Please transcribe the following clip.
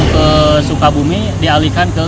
ke sukabumi dialihkan ke